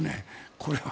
これは。